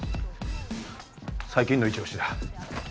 最近のいち押しだ。